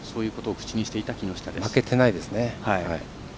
負けていないですね。